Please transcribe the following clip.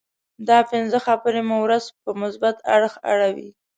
دا پنځه خبرې مو ورځ په مثبت اړخ اړوي.